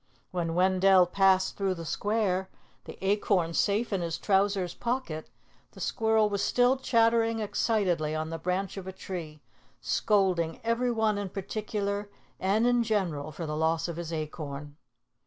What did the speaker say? When Wendell passed through the Square, the acorn safe in his trousers pocket, the squirrel was still chattering excitedly on the branch of a tree, scolding every one in particular and in general for the loss of his acorn.